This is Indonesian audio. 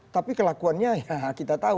tapi kelakuannya kita tahu